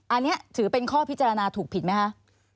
อันนี้ถือเป็นข้อพิจารณาถูกผิดไหมคะ